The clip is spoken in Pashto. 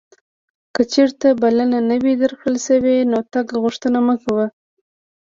که چیرته بلنه نه وې درکړل شوې نو د تګ غوښتنه مه کوه.